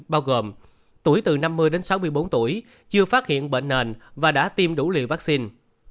bao gồm tuổi từ năm mươi đến sáu mươi bốn tuổi chưa phát hiện bệnh nền và đã tiêm đủ liều vaccine